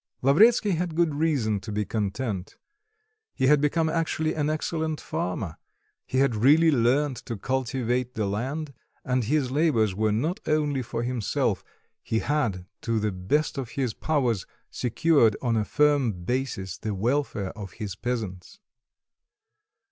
Lavretsky had good reason to be content; he had become actually an excellent farmer, he had really learnt to cultivate the land, and his labours were not only for himself; he had, to the best of his powers, secured on a firm basis the welfare of his peasants.